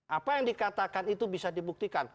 apa yang dikatakan itu bisa dibuktikan